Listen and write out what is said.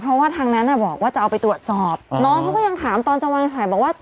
เพราะว่าทางนั้นอ่ะบอกว่าจะเอาไปตรวจสอบน้องเขาก็ยังถามตอนจังหวะสายบอกว่า